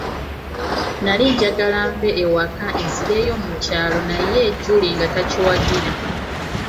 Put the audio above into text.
Nnali njagala nve ewaka nzireyo mu kyalo naye Julie nga takiwagira.